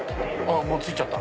もう着いちゃった！